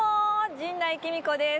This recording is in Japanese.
陣内貴美子です。